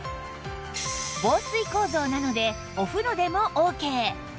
防水構造なのでお風呂でもオーケー